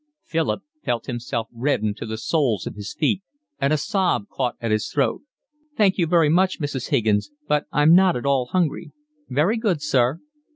Philip felt himself redden to the soles of his feet, and a sob caught at his throat. "Thank you very much, Mrs. Higgins, but I'm not at all hungry." "Very good, sir."